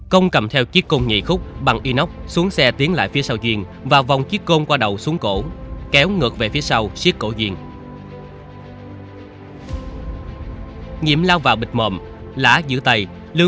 công cầm theo chiếc công nhị khúc bằng inox xuống xe tiến lại phía sau ghiền và vòng chiếc công qua đầu xuống cổ kéo ngược về phía sau siết cổ ghiền